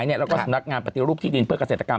แล้วก็สำนักงานปฏิรูปที่ดินเพื่อเกษตรกรรม